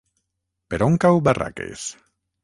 Per on cau Barraques?